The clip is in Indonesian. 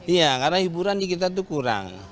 iya karena hiburan di kita itu kurang